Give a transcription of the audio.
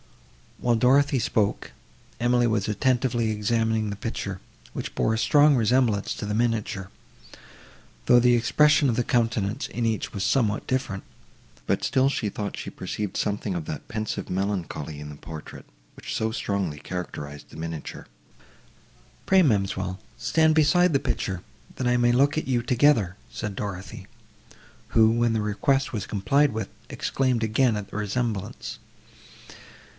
While Dorothée spoke, Emily was attentively examining the picture, which bore a strong resemblance to the miniature, though the expression of the countenance in each was somewhat different; but still she thought she perceived something of that pensive melancholy in the portrait, which so strongly characterised the miniature. "Pray, ma'amselle, stand beside the picture, that I may look at you together," said Dorothée, who, when the request was complied with, exclaimed again at the resemblance.